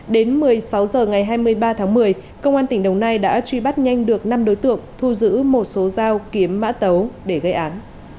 đến một mươi sáu h ngày hai mươi ba tháng một mươi công an tỉnh đồng nai đã truy bắt nhanh được năm đối tượng thu giữ một số dao kiếm mã tấu để gây án